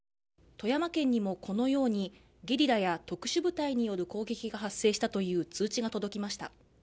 富山県にも、このようにゲリラや特殊部隊による攻撃が発生したという通知が届きました。